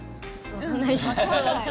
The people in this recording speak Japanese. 分かんない。